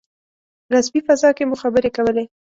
رسمي فضا کې مو خبرې کولې.